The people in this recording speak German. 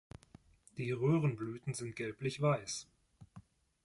Die Röhrenblüten sind gelblich-weiß.